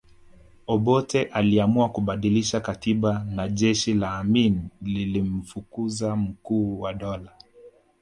Obote iliamua kubadilisha katiba na jeshi la Amini lilimfukuza Mkuu wa Dola